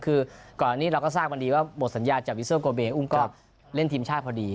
คือก่อนอันนี้เราก็ทราบมาดีว่าหมดสัญญาจากวิเซอร์โกเบอุ้มก็เล่นทีมชาติพอดี